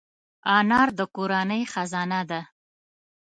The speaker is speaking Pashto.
انا د کورنۍ خزانه ده